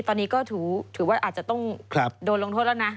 ตอนนี้ก็ถือว่าอาจจะต้องโดนลงโทษแล้วนะ